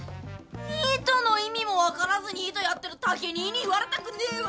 ニートの意味も分からずニートやってる猛兄ぃに言われたくねえわ！